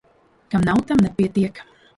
Kam nav, tam nepietiek.